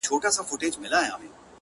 کفن کښ ظالم کړې ورک له دغه ځایه!.